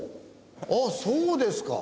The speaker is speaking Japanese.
あっそうですか。